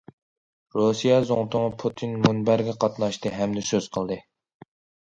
رۇسىيە زۇڭتۇڭى پۇتىن مۇنبەرگە قاتناشتى ھەمدە سۆز قىلدى.